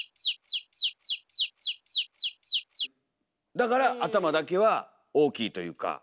だから頭だけは大きいというか。